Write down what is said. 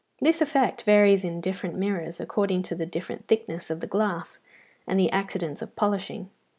This effect varies in different mirrors, according to the different thickness of the glass, and the accidents of polishing.